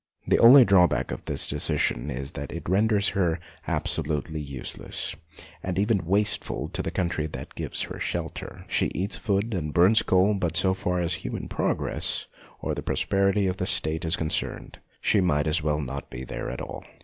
The only drawback of this decision is that it renders her absolutely useless and even wasteful to the country that gives her shelter. She eats food and burns coal, but so far as human progress or the prosperity of the State is concerned she might just as well not be there at all.